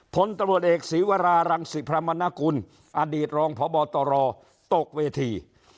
ผลตำรวจเอกศีวรารังศิพรามณกุลอดีตรองพบตรตกเวที